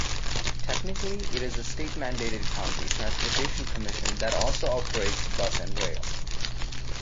Technically it is a state-mandated county transportation commission that also operates bus and rail.